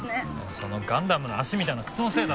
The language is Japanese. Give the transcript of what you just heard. そのガンダムの足みたいな靴のせいだろ。